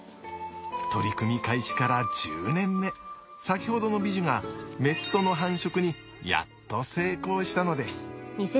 取り組み開始から１０年目先ほどのビジュがメスとの繁殖にやっと成功したのです。